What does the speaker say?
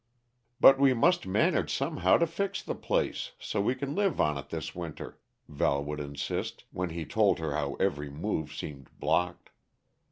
"But we must manage somehow to fix the place so we can live on it this winter," Val would insist, when he told her how every move seemed blocked.